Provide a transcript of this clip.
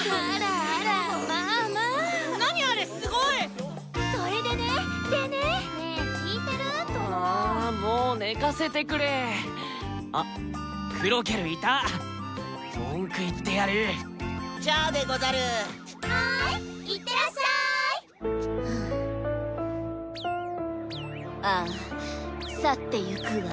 ああ去ってゆくわ。